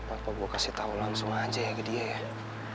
apa gue kasih tau langsung aja ya ke dia ya